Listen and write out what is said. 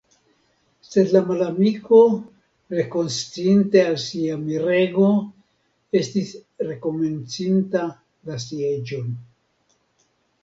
Sed la malamiko, rekonsciinte el sia mirego, estis rekomencinta la sieĝon.